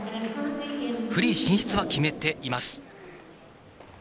フリー進出は決めています。